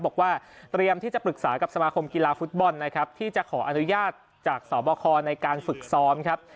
บอกว่าเตรียมที่จะปรึกษากับสมาคมกีฬาฟุตบอลนะครับที่จะขออนุญาตจากสบคในการฝึกซ้อมครับ